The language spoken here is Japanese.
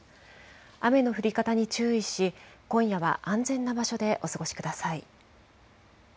雨の降り方に注意し、今夜は安全な場所でお過ごしください。